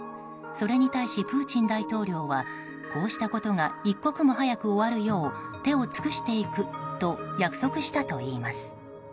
それに対しプーチン大統領はこうしたことが一刻も早く終わるよう手を尽くしていくと約束したといいます。